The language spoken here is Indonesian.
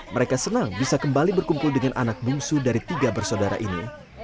mereka senang bisa kembali berkumpul dengan anak bungsu dari tiga bersaudara ini